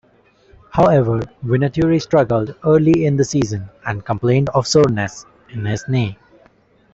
However, Vinatieri struggled early in the season and complained of soreness in his knee.